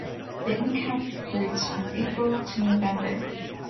The ink cap fruits from April to November.